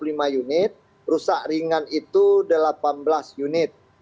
rumah yang rusak ringan itu delapan belas unit